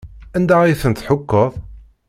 Anda ay tent-tḥukkeḍ?